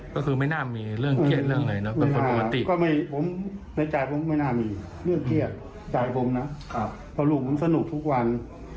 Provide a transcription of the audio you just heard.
ก็คือไม่น่าไม่มีเรื่องเครียดอะไรในจายผมไม่น่ามีเรื่องเครียด